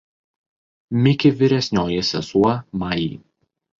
Miki vyresnioji sesuo Mai.